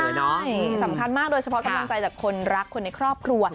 ใช่สำคัญมากโดยเฉพาะกำลังใจจากคนรักคนในครอบครัว